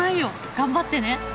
頑張ってね。